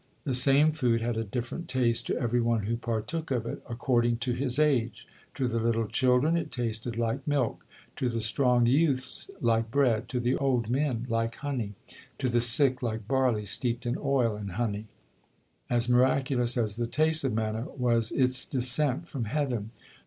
The same food had a different taste to every one who partook of it, according to his age; to the little children it tasted like milk, to the strong youths like bread, to the old men like honey, to the sick like barley steeped in oil and honey. As miraculous as the taste of manna was it descent from heaven.